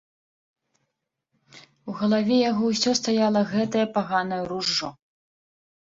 У галаве яго ўсё стаяла гэтае паганае ружжо.